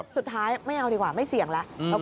สุดท้ายไม่เอาดีกว่าไม่เสี่ยงแล้ว